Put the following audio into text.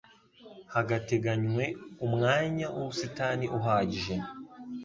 hagateganywe umwanya w'ubusitani uhagije